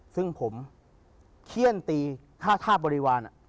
ซึ่งผมเขี้ยนตีฆ่าบริวาร